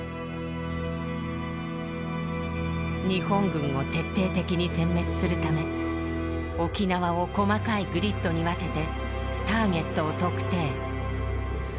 日本軍を徹底的に殲滅するため沖縄を細かいグリッドに分けてターゲットを特定。